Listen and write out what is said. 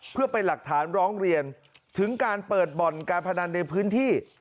เพื่อเป็นหลักฐานร้องเรียนถึงการเปิดบ่อนการพนันในพื้นที่